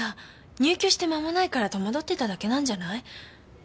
入居して間もないから戸惑ってただけなんじゃない？